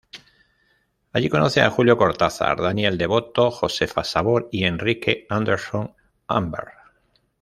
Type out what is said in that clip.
Allí conoce a Julio Cortázar, Daniel Devoto, Josefa Sabor y Enrique Anderson Imbert.